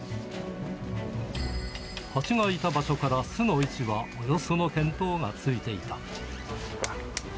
ハチがいた場所から巣の位置はおよその見当がついていた。